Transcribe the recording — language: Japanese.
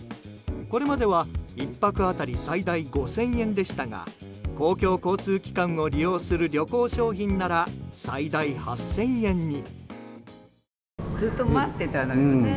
これまでは１泊当たり最大５０００円でしたが公共交通機関を利用する旅行商品なら最大８０００円に。